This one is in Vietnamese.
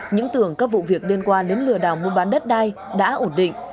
những tưởng các vụ việc liên quan đến lừa đảo mua bán đất đai đã ổn định